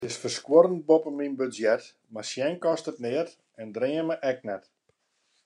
It is ferskuorrend boppe myn budzjet, mar sjen kostet neat en dreame ek net.